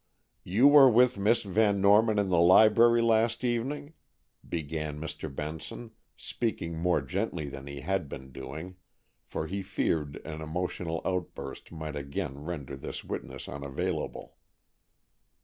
"You were with Miss Van Norman in the library last evening?" began Mr. Benson, speaking more gently than he had been doing, for he feared an emotional outburst might again render this witness unavailable.